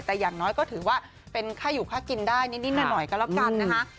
แต่อย่างน้อยก็ถือว่าเป็นค่าอยู่ค่ากินได้นิดหน่อยก็แล้วกันนะคะ